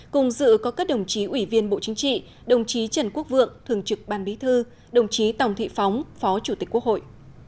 cùng dự có các đồng chí ủy viên bộ chính trị đồng chí trần quốc vượng thường trực ban bí thư đồng chí tòng thị phóng phó chủ tịch quốc hội